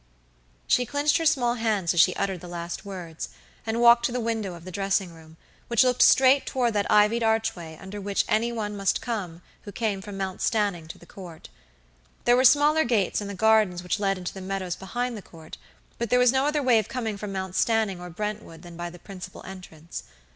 She clinched her small hands as she uttered the last words, and walked to the window of the dressing room, which looked straight toward that ivied archway under which any one must come who came from Mount Stanning to the Court. There were smaller gates in the gardens which led into the meadows behind the Court, but there was no other way of coming from Mount Stanning or Brentwood than by the principal entrance.